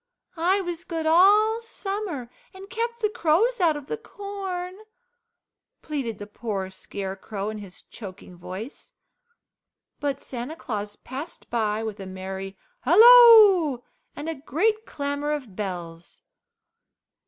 I was good all summer and kept the crows out of the corn," pleaded the poor Scarecrow in his choking voice, but Santa Claus passed by with a merry halloo and a great clamour of bells.